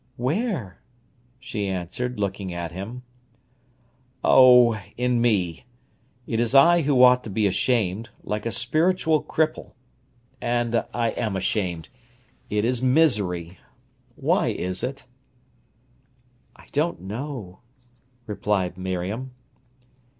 "Where?" she answered, looking at him. "Oh, in me! It is I who ought to be ashamed—like a spiritual cripple. And I am ashamed. It is misery. Why is it?" "I don't know," replied Miriam.